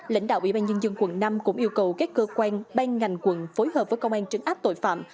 lãnh đạo ủy ban nhân dân quận năm cũng yêu cầu các cơ quan ban ngành quận phối hợp với công an trấn áp tội phạm